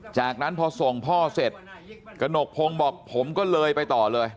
จากนั้นพอส่งพ่อเสร็จกระหนกพงศ์บอกผมก็เลยไปต่อเลย